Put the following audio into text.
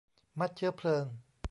มัดเชื้อเพลิง